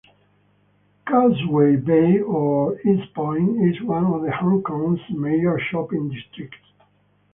Causeway Bay or East Point is one of Hong Kong's major shopping districts.